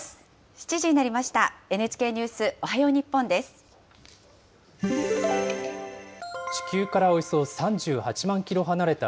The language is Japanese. ７時になりました。